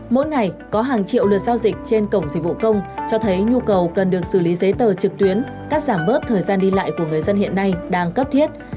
mỗi ngày có hàng triệu lượt giao dịch trên cổng dịch vụ công cho thấy nhu cầu cần được xử lý giấy tờ trực tuyến cắt giảm bớt thời gian đi lại của người dân hiện nay đang cấp thiết